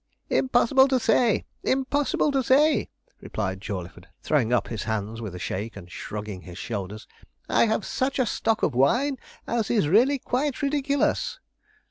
'Impossible to say! Impossible to say!' replied Jawleyford, throwing up his hands with a shake, and shrugging his shoulders. 'I have such a stock of wine as is really quite ridiculous.'